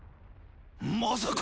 まさか！